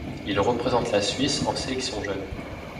Il représente la Suisse en sélections jeunes.